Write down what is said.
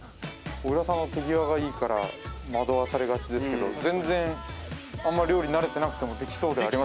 小倉さんの手際がいいから惑わされがちですけど全然あんま料理慣れてなくてもできそうでありますよ